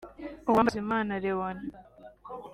Uwambazimana Leon